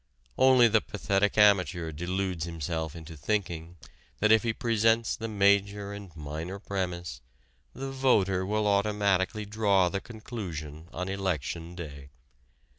Only the pathetic amateur deludes himself into thinking that, if he presents the major and minor premise, the voter will automatically draw the conclusion on election day.